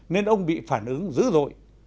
nên ông bị phản ứng dữ dội